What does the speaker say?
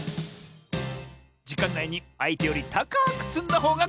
じかんないにあいてよりたかくつんだほうがかちサボよ！